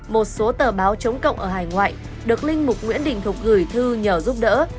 một số tờ báo chống cộng ở hải ngoại được linh mục nguyễn đình thục gửi thư nhờ giúp đỡ